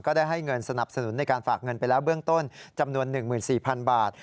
ได้ให้เงินสนับสนุนในการฝากเงินไปแล้วเบื้องต้นจำนวน๑๔๐๐๐บาท